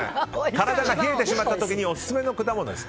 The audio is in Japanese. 体が冷えてしまった時にオススメの果物です。